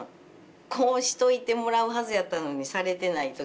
こうしといてもらうはずやったのにされてない時。